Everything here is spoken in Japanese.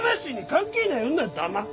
関係ない女は黙っとけ！